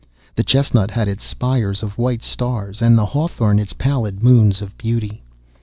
The chestnut had its spires of white stars, and the hawthorn its pallid moons of beauty.